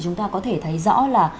chúng ta có thể thấy rõ là